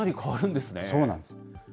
そうなんです。